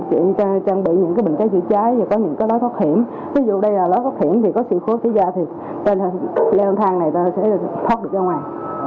ví dụ đây là lối thoát hiểm thì có sự khuất xảy ra thì lên thang này ta sẽ thoát được ra ngoài